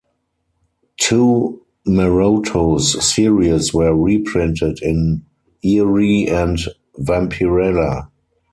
Two Maroto's series were reprinted in "Eerie" and "Vampirella".